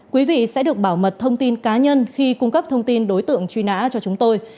quý vị sẽ được bảo mật thông tin cá nhân khi cung cấp thông tin đối tượng truy nã cho chúng tôi